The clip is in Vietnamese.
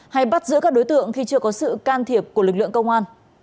hay bắt giữ các đối tượng khi chưa có sự can thiệp của lực lượng công an